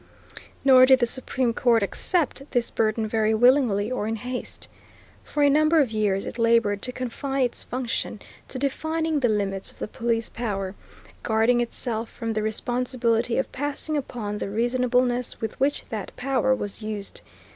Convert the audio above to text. Nor did the Supreme Court accept this burden very willingly or in haste. For a number of years it labored to confine its function to defining the limits of the Police Power, guarding itself from the responsibility of passing upon the "reasonableness" with which that power was used.